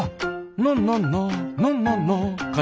「なななななな」かな？